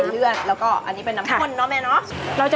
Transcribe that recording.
เรียบร้อยค่ะ